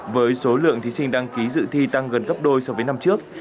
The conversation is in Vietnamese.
với số lượng thí sinh đăng ký dự thi tăng gần gấp đôi so với năm trước